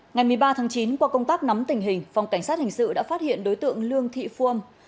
ngày một mươi ba tháng chín qua công tác nắm tình hình phòng cảnh sát hình sự đã phát hiện đối tượng lương thị phu âm